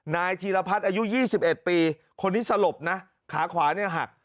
นายธีรพัฒน์อายุ๒๑ปีคนนี้สลบนะขาขวาเนี่ยหัก